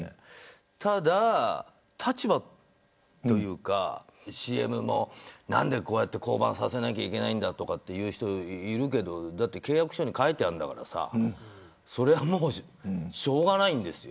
ただ立場というか、ＣＭも何で降板させなきゃいけないんだという人がいるけどだって契約書に書いてあるんだからそれはもうしょうがないんですよ。